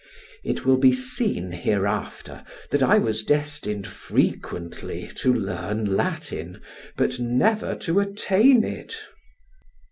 It will be seen hereafter that I was destined frequently to learn Latin, but never to attain it.